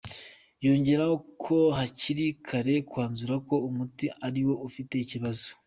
Yongeraho ko hakiri kare kwanzura ko umuti ariwo ufite ikibazo.